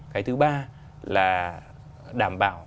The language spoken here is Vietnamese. cái thứ ba là đảm bảo